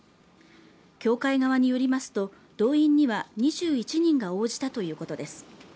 協会側によりますと、動員には２１人が応じたということです。